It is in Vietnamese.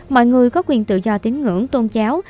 mọi người có quyền tự do tín ngưỡng tôn giáo